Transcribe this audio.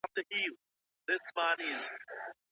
ولي زیارکښ کس د لایق کس په پرتله ډېر مخکي ځي؟